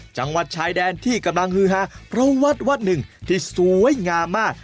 จังหวัดชายแดนที่กำลังฮือฮาเพราะวัดวัดหนึ่งที่สวยงามมาก